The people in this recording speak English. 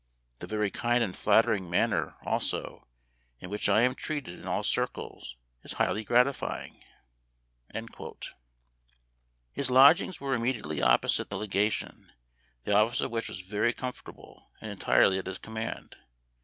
The very kind and flattering manner, also, in which I am treated in all circles is highly gratifying." His lodgings were immediately opposite the Legation, the office of which was very comfort able and entirely at his command.